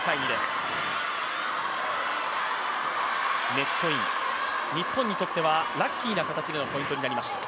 ネットイン、日本にとってはラッキーな形のポイントになりました。